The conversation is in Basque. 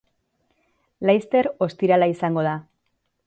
Laister ostirala izango da